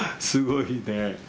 すごいね。